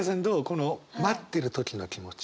この待ってる時の気持ち。